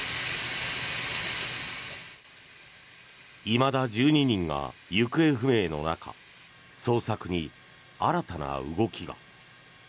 いまだ１２人が行方不明の中捜索に新たな動きが。